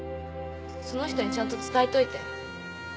その人にちゃんと伝えといて。